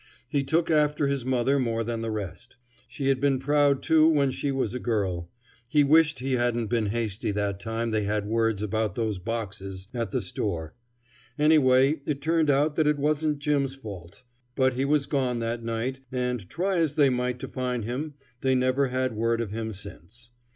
He took after his mother more than the rest. She had been proud, too, when she was a girl. He wished he hadn't been hasty that time they had words about those boxes at the store. Anyway, it turned out that it wasn't Jim's fault. But he was gone that night, and try as they might to find him, they never had word of him since.